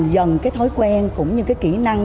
dần cái thói quen cũng như cái kỹ năng